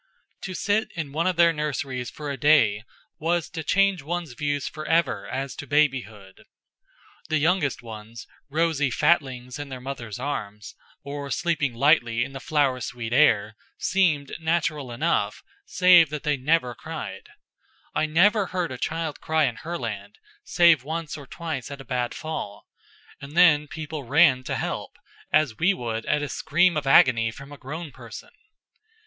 To sit in one of their nurseries for a day was to change one's views forever as to babyhood. The youngest ones, rosy fatlings in their mothers' arms, or sleeping lightly in the flower sweet air, seemed natural enough, save that they never cried. I never heard a child cry in Herland, save once or twice at a bad fall; and then people ran to help, as we would at a scream of agony from a grown person.